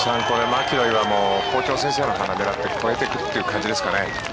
マキロイはもう校長先生の鼻を狙って越えていくという感じですかね。